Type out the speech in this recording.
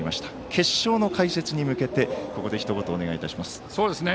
決勝の解説に向けてここで、ひと言お願いいたします。